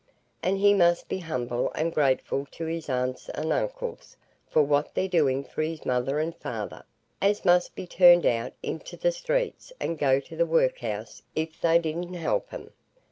And he must be humble and grateful to his aunts and uncles for what they're doing for his mother and father, as must be turned out into the streets and go to the workhouse if they didn't help 'em.